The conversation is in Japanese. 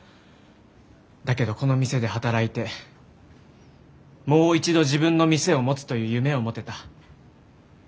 だけどこの店で働いてもう一度自分の店を持つという夢を持てた。